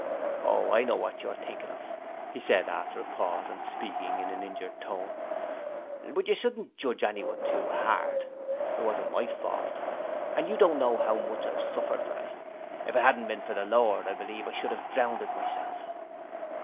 'Oh, I know what you're thinking of,' he said after a pause and speaking in an injured tone; 'but you shouldn't judge anyone too hard. It wasn't only my fault, and you don't know 'ow much I've suffered for it. If it 'adn't been for the Lord, I believe I should 'ave drownded myself.'